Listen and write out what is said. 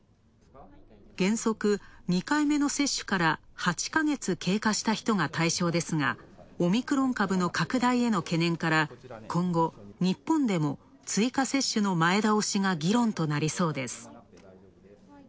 原則２回目の接種から８ヶ月経過した人が対象ですが、オミクロン株の拡大への懸念から今後、日本でも追加接種の前倒しが議論となりそうです。